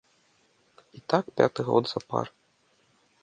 І так пяты год запар.